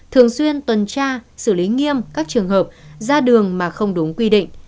thường xuyên tuần tra xử lý nghiêm các trường hợp ra đường mà không đúng quy định